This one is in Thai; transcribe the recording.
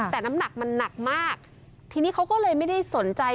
แต่น้ำหนักมันหนักมากทีนี้เขาก็เลยไม่ได้สนใจ